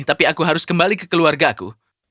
tapi aku harus kembali ke keluarga aku